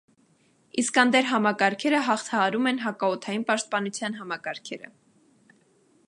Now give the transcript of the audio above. Իսկանդեր համակարգերը հաղթահարում են հակաօդային պաշտպանության համակարգերը։